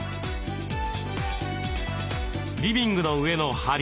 リビングの上の梁